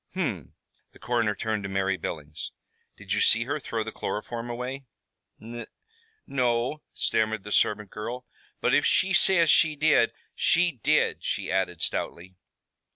"Hum." The coroner turned to Mary Billings. "Did you see her throw the chloroform away?" "N no," stammered the servant girl. "But if she says she did, she did," she added stoutly.